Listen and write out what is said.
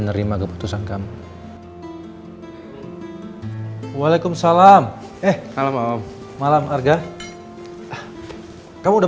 nerima perasaan yang saya lakukan untuk rafa dan saya berdoa untuk dia